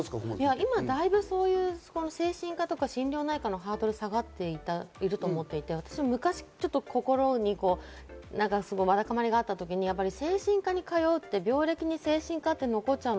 今だいぶ精神科とか心療内科のハードルが下がっていると思っていて、私昔ちょっと心にわだかまりがあったときに、精神科に通うって病歴に残っちゃう。